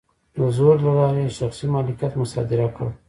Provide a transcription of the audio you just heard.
د زور له لارې یې شخصي مالکیت مصادره کړ.